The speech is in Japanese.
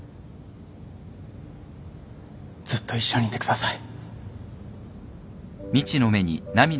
ずっと一緒にいてください。